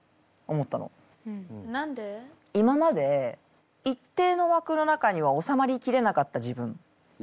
今まで一定のわくの中には収まりきれなかった自分。